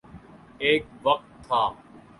ایک وقت تھا۔